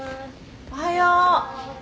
おはよう。